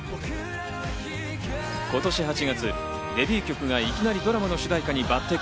今年８月、デビュー曲がいきなりドラマの主題歌に抜擢。